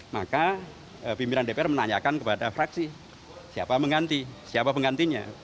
maka pimpinan dpr menanyakan kepada fraksi siapa pengantinya